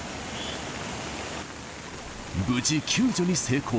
無事、救助に成功。